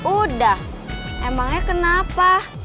udah emangnya kenapa